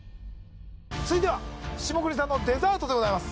続いては下國さんのデザートでございます